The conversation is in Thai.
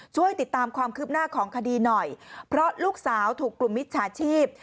ช่วยติดตามความคืบหน้าของคดีหน่อยเพราะลูกสาวถูกกลุ่มมิจฉาชีพ